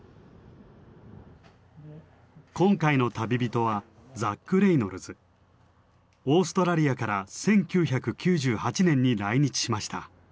今回の旅人はオーストラリアから１９９８年に来日しました。